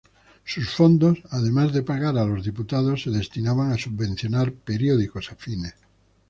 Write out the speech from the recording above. Sus fondos, además de pagar a los diputados, se destinaban a subvencionar periódicos afines.